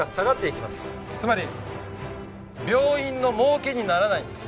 つまり病院の儲けにならないんです。